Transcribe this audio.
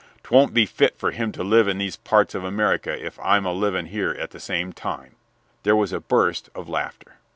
'Twon't be fit for him to live in these parts of America if I am living here at the same time." There was a burst of laughter.